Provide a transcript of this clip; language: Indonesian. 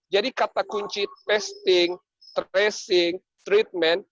jadi kata kunci testing tracing treatment